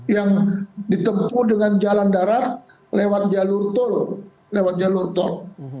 yang ditempu dengan jalan darat lewat jalur tol